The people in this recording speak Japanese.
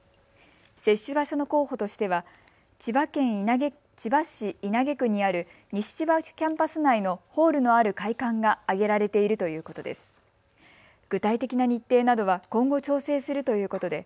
接種場所の候補としては千葉市稲毛区にある西千葉キャンパス内のホールのある会館が挙げられているということです。